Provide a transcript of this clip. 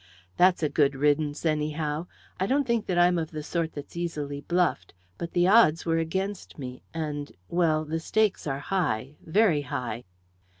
"That's a good riddance, anyhow. I don't think that I'm of the sort that's easily bluffed, but the odds were against me, and well the stakes are high very high!"